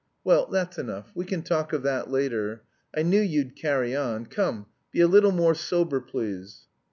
"Well, that's enough. We can talk of that later. I knew you'd carry on. Come, be a little more sober, please."